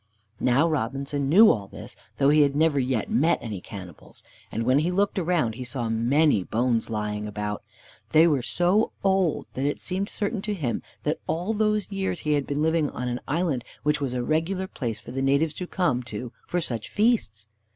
Now Robinson knew all this, though he had never yet met any cannibals. And when he looked around he saw many bones lying about. They were so old that it seemed certain to him that all those years he had been living on an island which was a regular place for the natives to come to for such feasts.